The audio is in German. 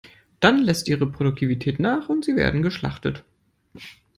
Dann lässt ihre Produktivität nach und sie werden geschlachtet.